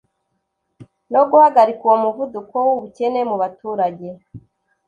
no guhagarika uwo muvuduko w'ubukene mu baturage.